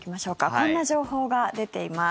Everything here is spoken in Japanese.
こんな情報が出ています。